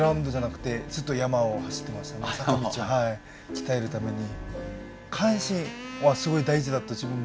鍛えるために。